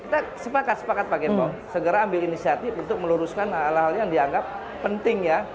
kita sepakat sepakat pak gembong segera ambil inisiatif untuk meluruskan hal hal yang dianggap penting ya